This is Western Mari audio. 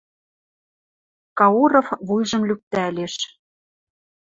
— Кауров вуйжым лӱктӓлеш.